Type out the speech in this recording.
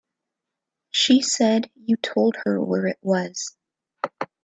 She said you told her where it was.